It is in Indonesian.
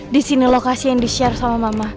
di sini lokasi yang di share sama mama